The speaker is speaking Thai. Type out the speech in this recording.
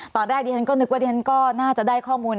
ตอนแรกดิฉันก็นึกว่าดิฉันก็น่าจะได้ข้อมูล